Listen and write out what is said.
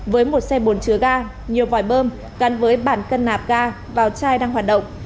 với một xe bồn chứa ga nhiều vòi bơm gắn với bản cân nạp ga vào chai đang hoạt động